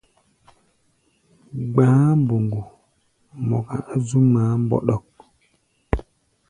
Gba̧á̧ mboŋgo mɔka á zú ŋmaá mbɔɗɔk.